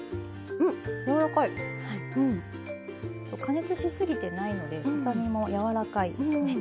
加熱し過ぎてないのでささ身も柔らかいですね。